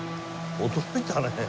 驚いたね。